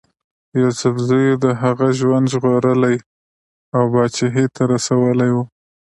یوسفزیو د هغه ژوند ژغورلی او پاچهي ته رسولی وو.